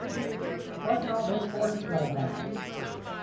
What's all this horseplay about?